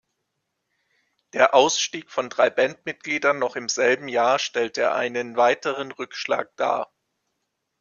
Der Ausstieg von drei Bandmitgliedern noch im selben Jahr stellte einen weiteren Rückschlag dar.